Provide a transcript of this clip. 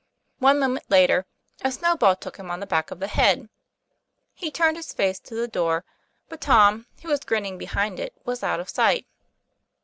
One moment later, a snowball took him on the back of the head. He turned his face to the door, but Tom, who was grinning behind it, was out of sight.